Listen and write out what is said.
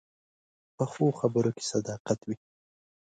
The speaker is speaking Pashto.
پخو خبرو کې صداقت وي